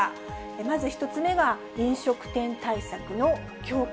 まず１つ目が飲食店対策の強化。